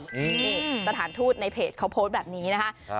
นี่สถานทูตในเพจเขาโพสต์แบบนี้นะคะ